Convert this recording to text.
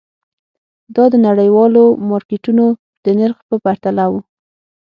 دا د نړیوالو مارکېټونو د نرخ په پرتله وو.